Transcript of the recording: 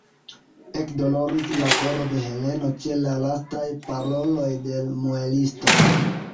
Ekdoloris la koro de Heleno ĉe la lastaj paroloj de l' muelisto.